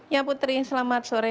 ya putri selamat sore